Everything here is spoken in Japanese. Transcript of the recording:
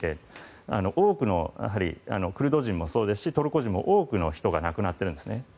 多くのクルド人もそうですしトルコ人も多くの人が亡くなっているんですね。